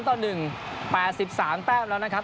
ต่อ๑๘๓แต้มแล้วนะครับ